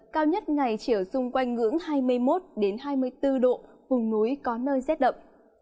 cao nhất ngày chỉ ở xung quanh ngưỡng hai mươi một hai mươi bốn độ vùng núi có nơi rét đậm